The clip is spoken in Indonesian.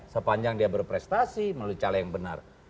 sepanjang dia berprestasi melalui cara yang benar